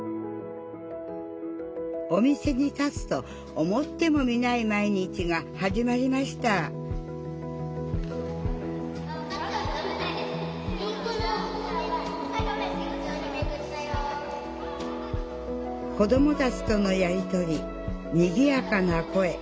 お店に立つと思ってもみない毎日が始まりました子どもたちとのやり取りにぎやかな声。